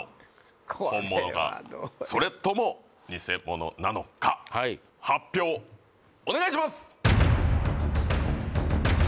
これはどうや本物かそれともニセモノなのかはい発表お願いします